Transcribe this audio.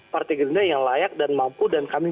partai gerinda yang layak dan mampu dan kami